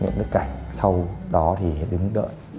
những nức cảnh sau đó thì đứng đợi